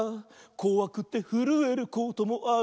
「こわくてふるえることもある」